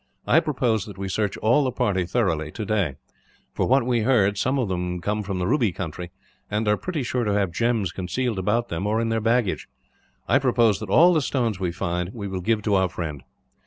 I propose that we search all the party thoroughly, today. From what we heard, some of them come from the ruby country, and are pretty sure to have gems concealed about them, or in their baggage. I propose that all the stones we find we will give to our friend.'